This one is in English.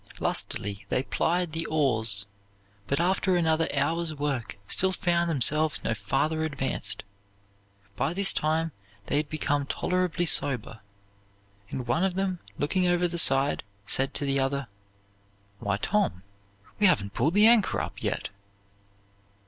Lustily they plied the oars, but after another hour's work still found themselves no farther advanced. By this time they had become tolerably sober; and one of them, looking over the side, said to the other, "Why, Tom, we haven't pulled the anchor up yet."